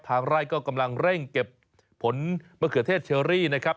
ไร่ก็กำลังเร่งเก็บผลมะเขือเทศเชอรี่นะครับ